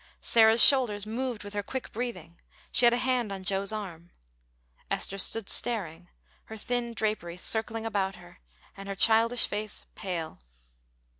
Sarah's shoulders moved with her quick breathing; she had a hand on Joe's arm. Esther stood staring, her thin draperies circling about her, and her childish face pale.